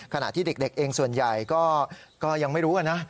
ขณะที่เด็กเองส่วนใหญ่ก็ยังไม่รู้นะ